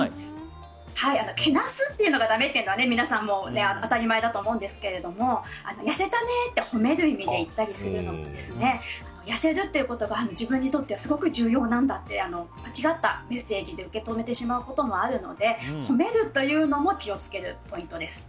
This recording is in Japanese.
けなすっていうのがだめというのは皆さん当たり前だと思うんですが痩せたねと褒める意味で言ったりするのも痩せるということが自分にとってはすごく重要なんだと間違ったメッセージで受け止めてしまうこともあるので褒めるというのも気をつけるポイントです。